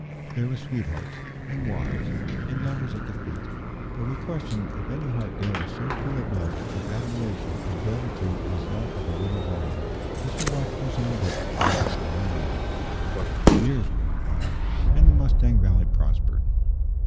There were sweethearts, and wives, and lovers at the feast, but we question if any heart there was so full of love, and admiration, and gratitude, as that of the Widow Varley as she watched her son Dick throughout that merry evening. Years rolled by, and the Mustang Valley prospered.